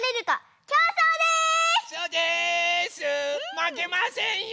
まけませんよ！